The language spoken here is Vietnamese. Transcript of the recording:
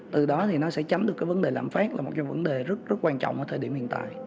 từ đó thì nó sẽ chấm được cái vấn đề làm phát là một trong những vấn đề rất rất quan trọng ở thời điểm hiện tại